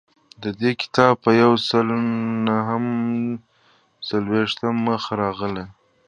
د دې کتاب په یو سل نهه څلویښتم مخ راغلی.